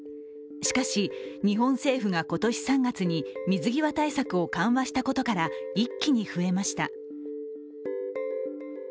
しかし、日本政府が今年３月に水際対策を緩和したことから一気に増えました。